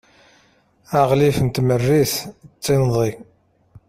aɣlif n tmerrit d tinḍi